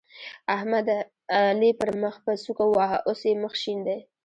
احمد؛ علي پر مخ په سوک وواهه ـ اوس يې مخ شين دی.